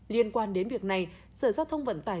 liên quan đến việc này sở giao thông vận tải